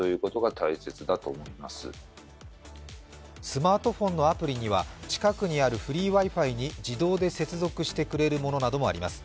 スマートフォンのアプリには、近くにあるフリーＷｉ−Ｆｉに自動で接続してくれるものなどもあります。